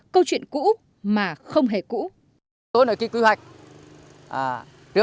câu chuyện cũ mà không hề cũ